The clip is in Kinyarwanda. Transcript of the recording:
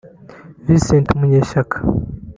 Vincent Munyeshyaka